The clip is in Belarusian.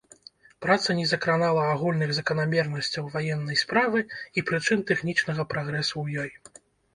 Праца не закранала агульных заканамернасцяў ваеннай справы і прычын тэхнічнага прагрэсу ў ёй.